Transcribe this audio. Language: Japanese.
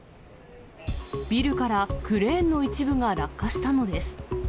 ビルからクレーンの一部が落下したのです。